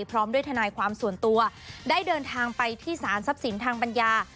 พร้อมด้วยทนายความส่วนตัวได้เดินทางไปที่สารทรัพย์สินทางปัญญา